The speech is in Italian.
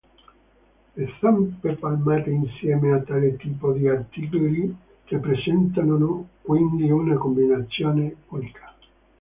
Le zampe palmate, insieme a tale tipo di artigli rappresentano quindi una combinazione unica.